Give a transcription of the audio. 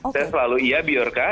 saya selalu iya biorka